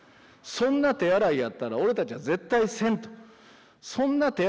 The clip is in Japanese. そんな手洗いやったら俺たちは絶対せん。